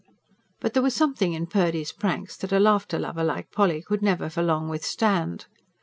But there was something in Purdy's pranks that a laughter lover like Polly could never for long withstand.